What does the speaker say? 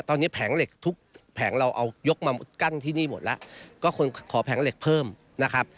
ตอนนี้แผงเหล็กทุกแผงเราเอายกมากั้นที่นี่หมดแล้วก็คนขอแผงเหล็กเพิ่มนะครับ